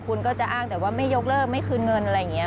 คุณก็จะอ้างแต่ว่าไม่ยกเลิกไม่คืนเงินอะไรอย่างนี้